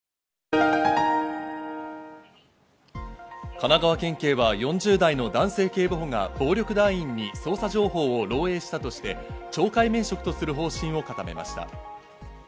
神奈川県警は４０代の男性警部補が暴力団員に捜査情報を漏えいしたとして、懲戒免職とする方針を固めました。